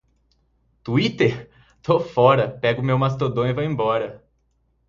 Twitter? Tô fora, pego o meu Mastodon e vou embora.